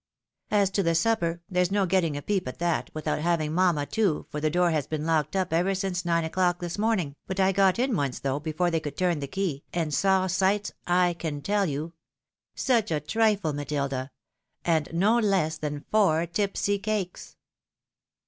As to the supper, there's no getting a peep at that, without having mamma too, for the door has been locked up ever since nine o'clock this morning ; but I got in once, though, before they could turn the key, and saw sights, I can tell you. Such a trifle, Matilda ! and no less than four tipsy cakes